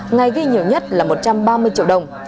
ngày ghi nhiều nhất là một trăm ba mươi triệu đồng